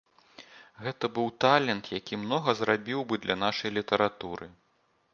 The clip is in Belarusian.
Гэта быў талент, які многа зрабіў бы для нашай літаратуры.